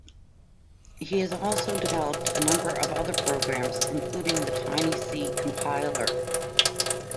He has also developed a number of other programs, including the Tiny C Compiler.